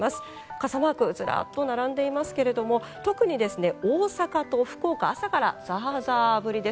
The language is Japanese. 傘マークずらっと並んでいますが特に大阪と福岡朝からザーザー降りです。